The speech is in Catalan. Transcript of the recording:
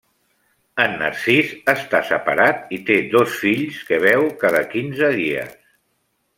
En Narcís està separat i té dos fills que veu cada quinze dies.